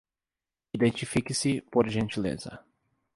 Identifique-se por gentileza